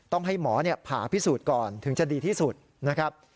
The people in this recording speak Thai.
ต้องให้หมอผ่าพิสูจน์ก่อนถึงจะดีที่สุดนะครับ